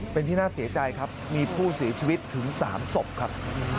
เป็นที่น่าเสียใจครับมีผู้เสียชีวิตถึง๓ศพครับ